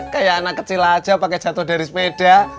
kayak anak kecil aja pakai jatuh dari sepeda